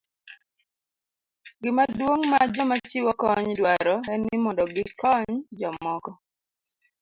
Gima duong' ma joma chiwo kony dwaro en ni mondo gikony jomoko.